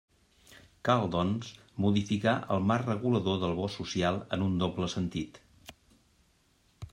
Cal, doncs, modificar el marc regulador del bo social en un doble sentit.